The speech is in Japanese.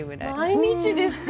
毎日ですか？